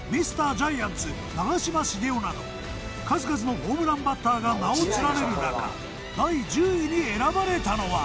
ジャイアンツ長嶋茂雄など数々のホームランバッターが名を連ねる中第１０位に選ばれたのは。